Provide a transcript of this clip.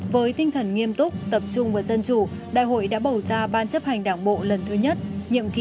với tinh thần nghiêm túc tập trung vào dân chủ đại hội đã bầu ra ban chấp hành đảng bộ lần thứ nhất nhiệm kỳ hai nghìn hai mươi hai nghìn hai mươi năm